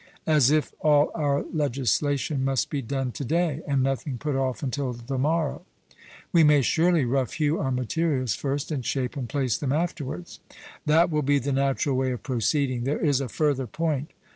As if all our legislation must be done to day, and nothing put off until the morrow. We may surely rough hew our materials first, and shape and place them afterwards.' That will be the natural way of proceeding. There is a further point.